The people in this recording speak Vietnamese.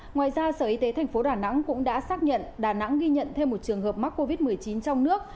ngoài ra sở y tế thành phố đà nẵng cũng đã xác nhận đà nẵng ghi nhận thêm một trường hợp mắc covid một mươi chín trong nước